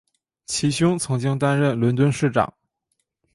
其兄曾经担任伦敦市长。